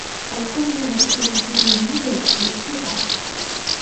Elle couvre la totalité de l'île de Taipa.